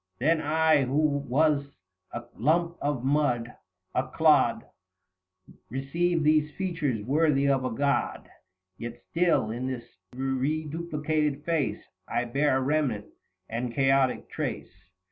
Then I, who was a lump of mud, a clod, Keceived these features worthy of a god. 120 Yet still, in this reduplicated face, I bear a remnant and chaotic trace.